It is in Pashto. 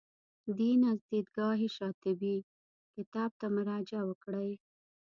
دین از دیدګاه شاطبي کتاب ته مراجعه وکړئ.